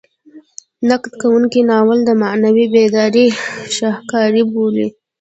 نقد کوونکي ناول د معنوي بیدارۍ شاهکار بولي.